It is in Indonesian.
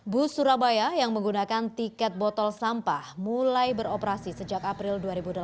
bus surabaya yang menggunakan tiket botol sampah mulai beroperasi sejak april dua ribu delapan belas